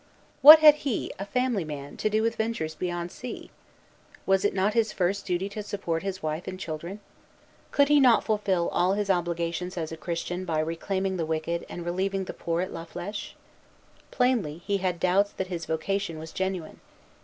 What had he, a family man, to do with ventures beyond sea? Was it not his first duty to support his wife and children? Could he not fulfil all his obligations as a Christian by reclaiming the wicked and relieving the poor at La Flèche? Plainly, he had doubts that his vocation was genuine.